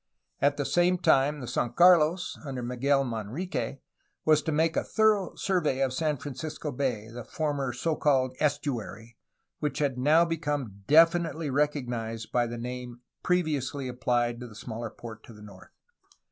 At the same time the San Carlos, under Miguel Manrique, was to make a thorough survey of San Francisco Bay — the former so called "Estuary," which had now become definitely recognized by the name previously appHed to the smaller port to the north.